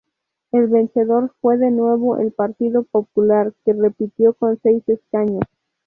El vencedor fue de nuevo el Partido Popular, que repitió con seis escaños.